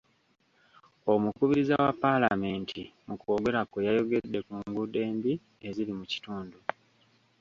Omukubiriza wa paalamenti mu kwogera kwe yayogedde ku nguudo embi eziri mu kitundu.